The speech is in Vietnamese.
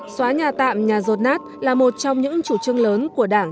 xóa nhà tạm nhà rột nát là một trong những chủ trương lớn của đảng